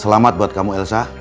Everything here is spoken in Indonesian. selamat buat kamu elsa